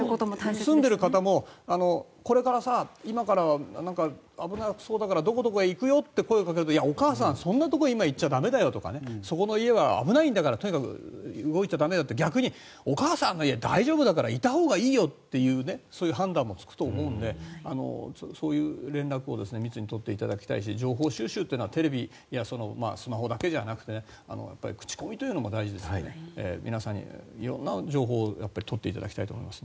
住んでいる方もこれから今から危なそうだからどこどこへ行くよって声をかけるとお母さん、そんなところに今、行っちゃ駄目だよとかそこの家は危ないんだからとにかく動いちゃ駄目よって逆にお母さんの家大丈夫だからいたほうがいいよという判断もつくと思うのでそういう連絡を密に取っていただきたいし情報収集はテレビやスマホだけじゃなくて口コミというのも大事ですので皆さんに色んな情報を取っていただきたいと思います。